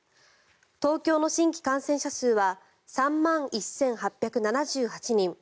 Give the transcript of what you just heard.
東京の新規感染者数は３万１８７８人。